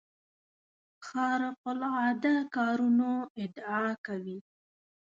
خارق العاده کارونو ادعا کوي.